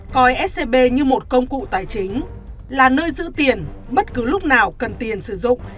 coi scb như một công cụ tài chính là nơi giữ tiền bất cứ lúc nào cần tiền sử dụng